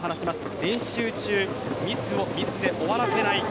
練習中、ミスをミスで終わらせない。